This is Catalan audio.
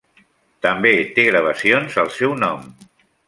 També té gravacions al seu nom.